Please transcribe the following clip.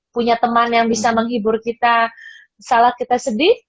punya teman yang bisa menghibur kita salah kita sedih